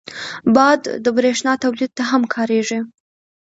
باد د بریښنا تولید ته هم کارېږي